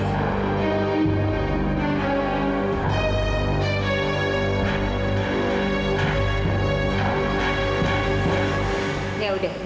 jangan sampai jatuh atau hilang